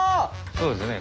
そうですね。